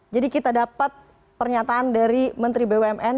jadi kita dapat pernyataan dari menteri bumn